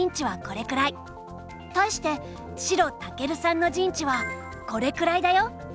対して白威さんの陣地はこれくらいだよ。